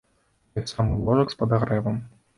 Той самы ложак з падагрэвам.